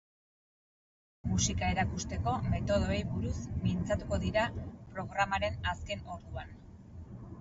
Haurrei musika erakusteko metodoei buruz mintzatuko dira programaren azken orduan.